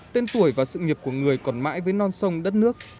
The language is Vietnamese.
tên tuổi và sự nghiệp của người còn mãi với non sông đất nước